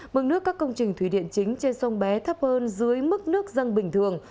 mực nước các công trình thủy điện chính trên sông bé thấp hơn dưới mức nước răng bình thường